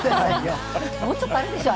もうちょっとあるでしょう。